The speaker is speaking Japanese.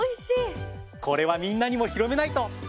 これはみんなにも広めないと！